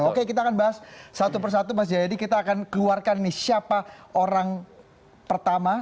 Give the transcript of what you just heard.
oke kita akan bahas satu persatu mas jayadi kita akan keluarkan nih siapa orang pertama